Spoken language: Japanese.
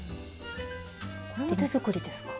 これも手作りですか？